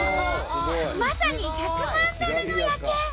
まさに１００万ドルの夜景！